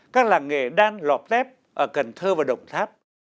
các làng nghề đan lọt tép ở cần thơ và đồng tháp